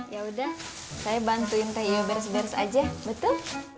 ya udah saya bantuin teh iyo beres beres aja betul betul